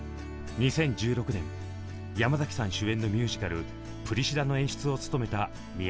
２０１６年山崎さん主演のミュージカル「プリシラ」の演出を務めた宮本さん。